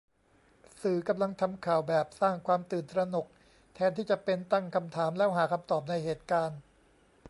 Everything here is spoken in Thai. สื่อกำลังทำข่าวแบบ " !" สร้างความตื่นตระหนก แทนที่จะเป็น " ?" ตั้งคำถามแล้วหาคำตอบในเหตุการณ์